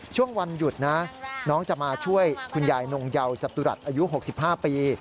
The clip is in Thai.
ช่วงวันหยุดนะน้องจะมาช่วยคุณยายนงเยาสตุรัสอายุ๖๕ปี